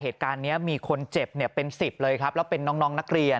เหตุการณ์เนี้ยมีคนเจ็บเนี้ยเป็นสิบเลยครับแล้วเป็นน้องน้องนักเรียน